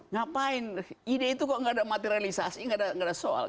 ngapain ide itu kok nggak ada materialisasi nggak ada soal